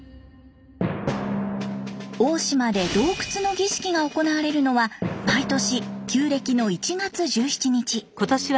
黄島で洞窟の儀式が行われるのは毎年旧暦の１月１７日。